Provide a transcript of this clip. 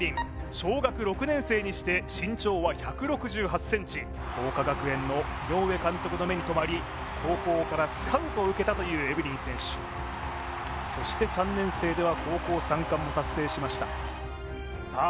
小学６年生にして身長は１６８ｃｍ桜花学園の井上監督の目にとまり高校からスカウトを受けたというエブリン選手そして３年生では高校三冠も達成しましたさあ